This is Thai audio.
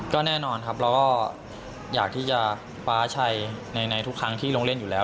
ก็แน่นอนครับเราก็อยากที่จะคว้าชัยในทุกครั้งที่ลงเล่นอยู่แล้ว